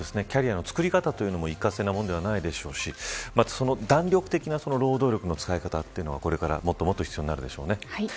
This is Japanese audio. キャリアの作り方も一過性のものではないでしょうし弾力的な労働力の使い方というのがこれからもっともっと必要になるでしょうね。